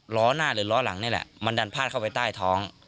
ล้อหน้าหรือล้อหลังนี่แหละมันดันพาดเข้าไปใต้ท้อง